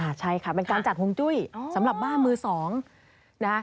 ใช่ค่ะเป็นการจัดฮวงจุ้ยสำหรับบ้ามือสองนะคะ